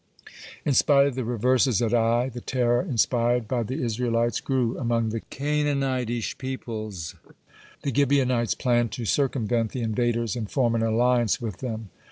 (31) In spite of the reverses at Ai, (32) the terror inspired by the Israelites grew among the Canaanitish peoples. The Gibeonites planned to circumvent the invaders, and form an alliance with them.